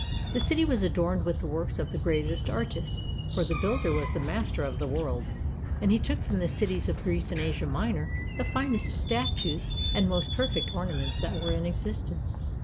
The city was adorned with the works of the greatest artists, for the builder was the master of the world, and he took from the cities of Greece and Asia Minor the finest statues and most per fect ornaments that were in existence.